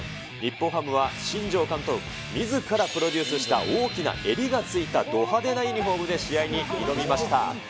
日本ハムは新庄監督みずからプロデュースした大きな襟がついたど派手なユニホームで試合に臨みました。